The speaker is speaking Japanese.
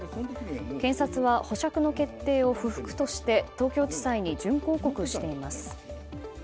検察は保釈の決定を不服として東京地裁に準抗告しています。